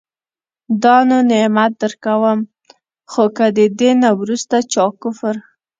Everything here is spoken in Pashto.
نو دا نعمت درکوم، خو که د دي نه وروسته چا کفر